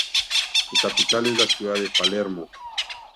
Su capital es la ciudad de Palermo.